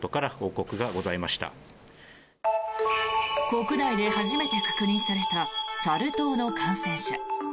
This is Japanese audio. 国内で初めて確認されたサル痘の感染者。